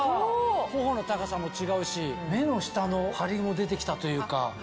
頬の高さも違うし目の下のハリも出て来たというか。